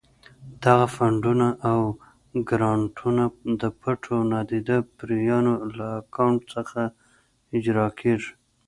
دغه فنډونه او ګرانټونه د پټو او نادیده پیریانو له اکاونټ څخه اجرا کېږي.